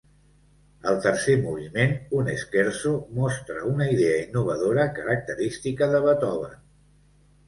El tercer moviment, un scherzo, mostra una idea innovadora característica de Beethoven.